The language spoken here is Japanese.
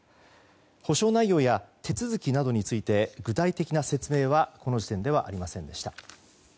補償内容や手続きなどについて具体的な説明はこの時点ではありませんでした。